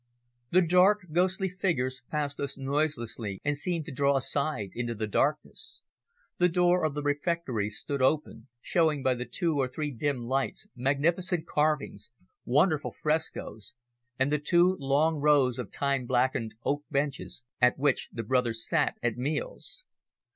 The dark, ghostly figures passed us noiselessly and seemed to draw aside into the darkness; the door of the refectory stood open, showing by the two or three dim lights magnificent carvings, wonderful frescoes and the two long rows of time blackened oak benches at which the Brothers sat at meals.